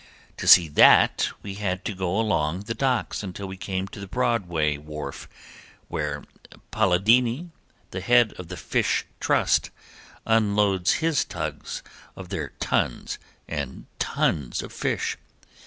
To see that we had to go along the docks until we came to the Broadway wharf where Paladini, the head of the fish trust, unloads his tugs of their tons and tons of fish.